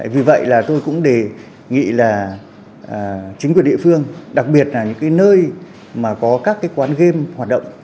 vì vậy là tôi cũng đề nghị là chính quyền địa phương đặc biệt là những cái nơi mà có các quán game hoạt động